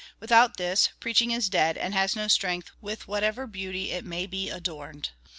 Without this, preaching is dead, and has no strength, with whatever beauty it may be adorned.